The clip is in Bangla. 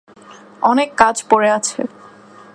অনেক কাজ পড়ে আছে।